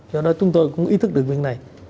do đó chúng tôi cũng ý thức được việc này